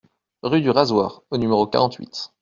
Rue du Razoir au numéro quarante-huit